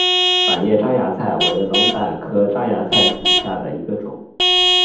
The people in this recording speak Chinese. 卵叶獐牙菜为龙胆科獐牙菜属下的一个种。